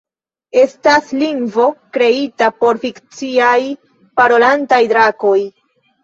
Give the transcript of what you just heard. Estas lingvo kreita por fikciaj parolantaj drakoj.